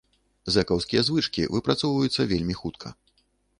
Зэкаўскія звычкі выпрацоўваюцца вельмі хутка.